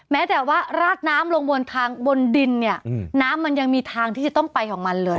แม้แต่ว่าราดน้ำลงบนทางบนดินเนี่ยน้ำมันยังมีทางที่จะต้องไปของมันเลย